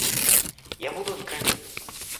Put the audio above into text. Я буду откровенен.